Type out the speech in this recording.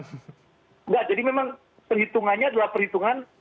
tidak jadi memang perhitungannya adalah perhitungan